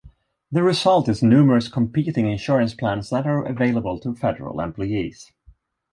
The result is numerous competing insurance plans that are available to federal employees.